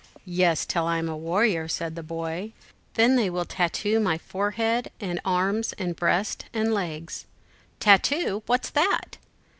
"Yes, till I am a warrior," said the boy; "then they will tattoo my forehead, and arms, and breast, and legs." "Tattoo! what's that?"